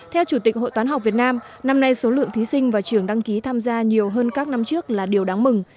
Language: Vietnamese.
theo chủ tịch hội toán học việt nam năm nay số lượng thí sinh và trường đăng ký tham gia nhiều hơn các năm trước là điều đáng mừng